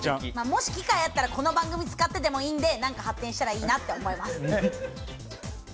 もし機会あったら、この番組使っててもいいんで、何か発展したらいいなって思います。